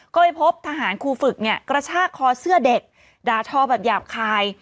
ก็ไปพบทหารครูฝึกเนี่ยกระชากคอเสื้อเด็กด่าทอแบบหยาบคาย